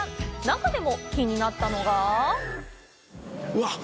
中でも気になったのがうわっ！